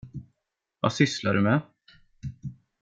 Vad sysslar du med?